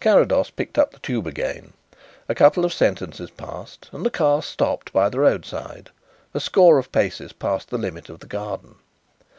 Carrados picked up the tube again. A couple of sentences passed and the car stopped by the roadside, a score of paces past the limit of the garden.